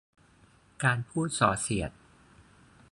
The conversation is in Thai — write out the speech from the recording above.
การพูดส่อเสียด